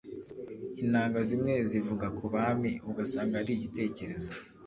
inanga zimwe zivuga ku bami, ugasanga ari gitekerezo